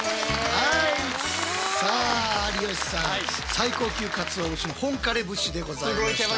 最高級かつお節の本枯節でございました。